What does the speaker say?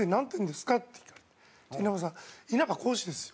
稲葉さん稲葉浩志ですよ？